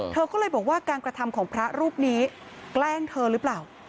เธอก็เลยบอกว่าการกระทำของพระรูปนี้แกล้งเธอหรือเปล่า